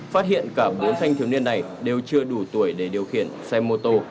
phát hiện cả bốn thanh thiếu niên này đều chưa đủ tuổi để điều khiển xe mô tô